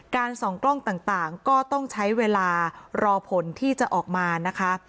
ส่องกล้องต่างก็ต้องใช้เวลารอผลที่จะออกมานะคะ